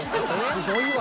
すごいわ。